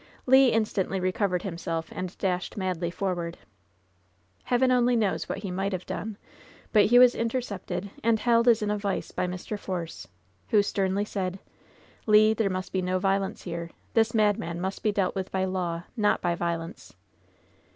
Le instantly recovered himself, and dashed madly for ward. Heaven only knows what he might have done, but he was intercepted, and held as in a vise by Mr. Force, who sternly said: "Le, there must be no violence here. This madman must be dealt with by law, not by violence."